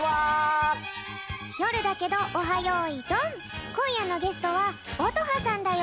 よるだけど「オハ！よいどん」。こんやのゲストは乙葉さんだよ。